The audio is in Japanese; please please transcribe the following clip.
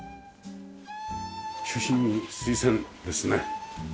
中心に水栓ですね。